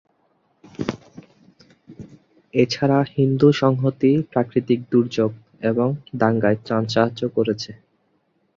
এছাড়া হিন্দু সংহতি প্রাকৃতিক দুর্যোগ এবং দাঙ্গায় ত্রাণ সাহায্য করেছে।